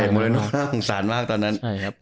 มักน้องสารมากตอนนั้น